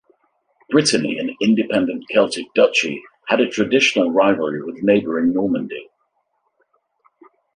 Brittany, an independent Celtic duchy, had a traditional rivalry with neighboring Normandy.